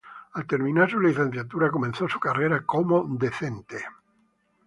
Al terminar su licenciatura comenzó su carrera como docente.